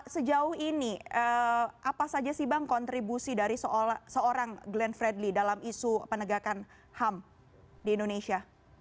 sejauh ini apa saja sih bang kontribusi dari seorang glenn fredly dalam isu penegakan ham di indonesia